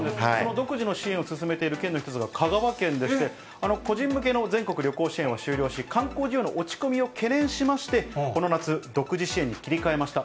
独自の支援を進めている県の１つが、香川県でして、個人向けの全国旅行支援を終了し、観光業の落ち込みを懸念しまして、この夏、独自支援に切り替えました。